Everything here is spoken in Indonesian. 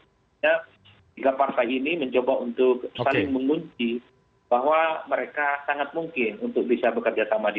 sebenarnya tiga partai ini mencoba untuk saling mengunci bahwa mereka sangat mungkin untuk bisa bekerja sama di dua ribu dua puluh empat